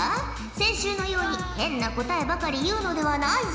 先週のように変な答えばかり言うのではないぞ。